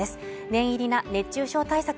念入りな熱中症対策